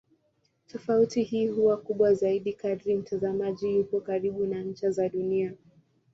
Tofauti hii huwa kubwa zaidi kadri mtazamaji yupo karibu na ncha za Dunia.